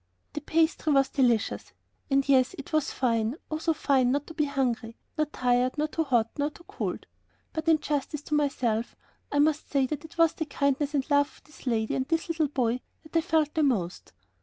The pastry was delicious, and yes, it was fine, oh, so fine not to be hungry, nor tired, nor too hot, nor too cold, but in justice to myself, I must say that it was the kindness and love of this lady and this little boy that I felt the most.